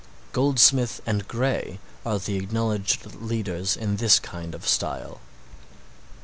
Goldsmith and Gray are the acknowledged leaders in this kind of style.